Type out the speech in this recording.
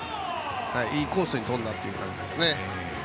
いいコースに飛んだという感じですね。